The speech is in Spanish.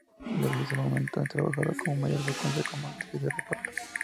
Desde ese momento ha trabajado con mayor frecuencia como actriz de reparto.